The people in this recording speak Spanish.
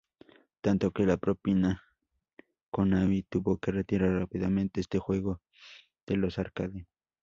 Tanto, que la propia Konami tuvo que retirar rápidamente este juego de los arcade.